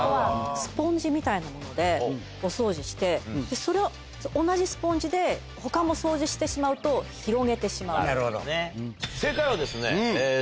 スポンジみたいなものでお掃除してそれを同じスポンジで他も掃除してしまうと広げてしまう。